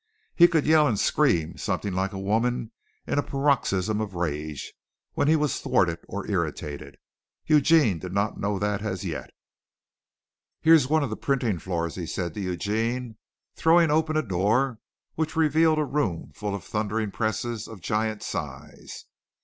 He could yell and scream something like a woman in a paroxysm of rage when he was thwarted or irritated. Eugene did not know that as yet. "Here's one of the printing floors," he said to Eugene, throwing open a door which revealed a room full of thundering presses of giant size.